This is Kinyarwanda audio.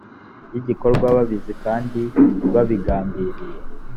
y igikorwa babizi kandi babigambiriye